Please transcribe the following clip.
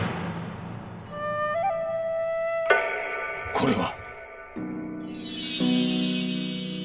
これは。